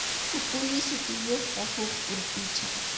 Kukuli sutiyuqqa huk urpicha.